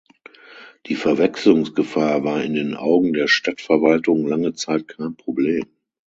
Die Verwechslungsgefahr war in den Augen der Stadtverwaltung lange Zeit kein Problem.